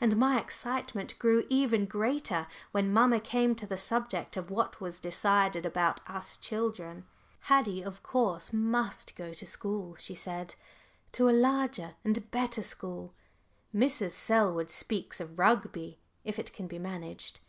And my excitement grew even greater when mamma came to the subject of what was decided about us children. "Haddie of course must go to school," she said; "to a larger and better school Mrs. Selwood speaks of Rugby, if it can be managed.